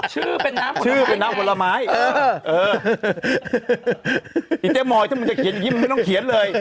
ชื่อเป็นน้ำผลไม้ชื่อเป็นน้ำผลไม้อิเต้มอยด์ถ้ามันจะเขียนอย่างนี้มันไม่ต้องเขียนเลย